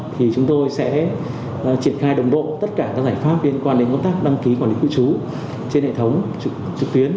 thì chúng tôi sẽ triển khai đồng bộ tất cả các giải pháp liên quan đến công tác đăng ký quản lý cư trú trên hệ thống trực tuyến